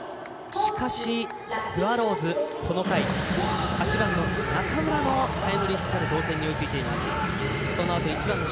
しかしスワローズ、この回８番の中村のタイムリーヒットで同点に追いついています。